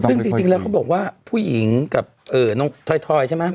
ซึ่งจริงแล้วเขาบอกว่าผู้หญิงกับน้องทอยใช่ไหม